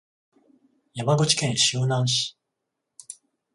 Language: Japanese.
山口県周南市